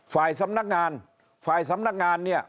ฝ่ายสำนักงานฝ่ายสำนักงานเนี่ย